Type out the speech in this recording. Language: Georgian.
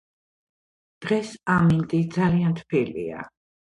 დღეს ამინდი ძალიან თბილია.